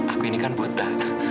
aku ini kan buta